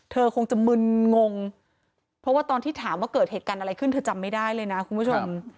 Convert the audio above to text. เธอคงจะมึนงงเพราะว่าตอนที่ถามว่าเกิดเหตุการณ์อะไรขึ้นเธอจำไม่ได้เลยนะคุณผู้ชม